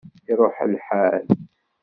Iruḥ lḥal